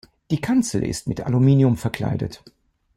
Die Kanzel ist mit Aluminium verkleidet.